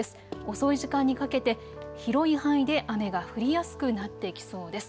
遅い時間にかけて広い範囲で雨が降りやすくなってきそうです。